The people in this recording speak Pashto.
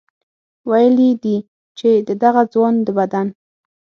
ویلي دي چې د دغه ځوان د بدن